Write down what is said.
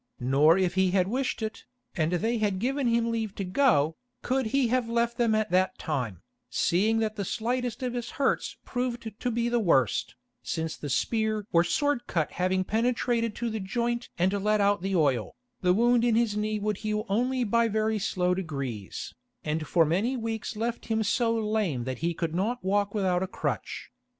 Nor if he had wished it, and they had given him leave to go, could he have left them at that time, seeing that the slightest of his hurts proved to be the worst, since the spear or sword cut having penetrated to the joint and let out the oil, the wound in his knee would heal only by very slow degrees, and for many weeks left him so lame that he could not walk without a crutch.